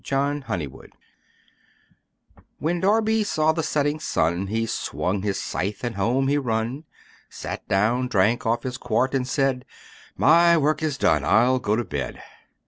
JOHN HONEYWOOD I When Darby saw the setting sun, He swung his scythe, and home he run, Sat down, drank off his quart, and said, "My work is done, I'll go to bed."